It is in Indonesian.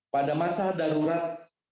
pada masa darurat